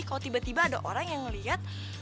kalau tiba tiba ada orang yang melihat